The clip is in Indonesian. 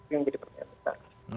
yang jadi pertanyaan sekarang